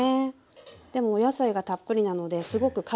でもお野菜がたっぷりなのですごく軽く食べられると思います。